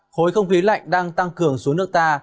khối không khí lạnh đang tăng cường xuống nước ta